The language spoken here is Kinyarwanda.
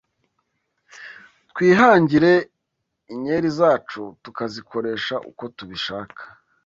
Twihingira inkeri zacu, tukazikoresha uko tubishaka.